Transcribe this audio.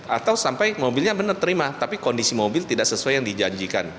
atau sampai mobilnya benar terima tapi kondisi mobil tidak sesuai yang dijanjikan